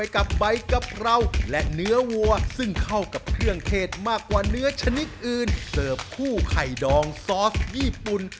กับคู่ไข่ดองซอสญี่ปุ่น